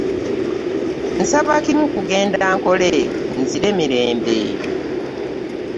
Nsaba kimu kugenda nkole nzire mirembe.